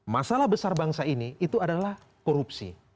masalah besar bangsa ini itu adalah korupsi